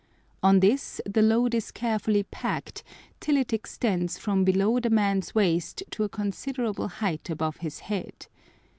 On this the load is carefully packed till it extends from below the man's waist to a considerable height above his head.